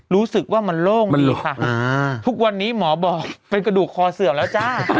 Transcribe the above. รู้สึกว่ามันโล่งมันเหลือทุกวันนี้หมอบอกเป็นกระดูกคอเสื่อมแล้วจ้า